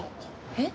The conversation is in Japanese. えっ？